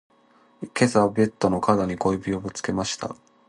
今朝ベッドの角に小指をぶつけました。